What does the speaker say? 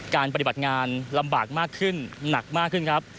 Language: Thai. ปฏิบัติงานลำบากมากขึ้นหนักมากขึ้นครับ